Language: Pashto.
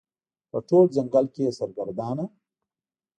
په ټول ځنګل کې یې سرګردانه